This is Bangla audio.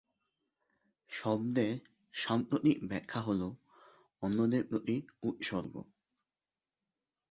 শব্দের সাম্প্রতিক ব্যাখ্যা হল "অন্যদের প্রতি উৎসর্গ"।